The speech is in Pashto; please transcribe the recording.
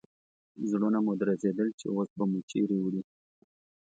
زړونه مو درزېدل چې اوس به مو چیرې وړي.